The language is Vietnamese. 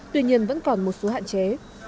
tuy nhiên vẫn còn một số hạn chế